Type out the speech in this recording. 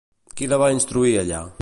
Qui la va instruir, allà?